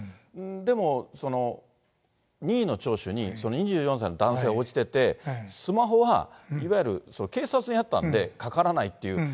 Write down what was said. でも、任意の聴取に、その２４歳の男性は応じてて、スマホは、いわゆる警察にあったんでかからないっていう。